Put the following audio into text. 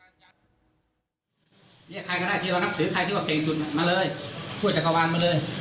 เรียกใครก็ได้ที่เรานับสือใครที่ว่าเก่งสุดมาเลยพูดจักรวาลมาเลย